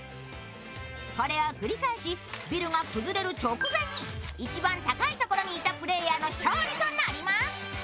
これを繰り返しビルが崩れる直前に一番高いところにいたプレーヤーの勝利となります。